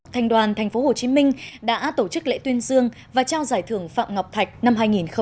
thành đoàn tp hcm đã tổ chức lễ tuyên dương và trao giải thưởng phạm ngọc thạch năm hai nghìn hai mươi